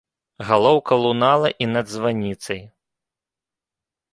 Галоўка лунала і над званіцай.